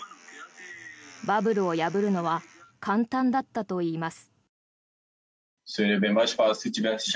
バブルを破るのは簡単だったといいます。